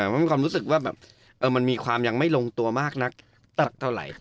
มันมีความรู้สึกว่าแบบมันมีความยังไม่ลงตัวมากนักเท่าไหร่